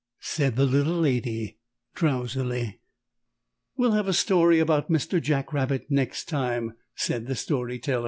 said the Little Lady, drowsily. "We'll have a story about Mr. Jack Rabbit next time," said the story teller.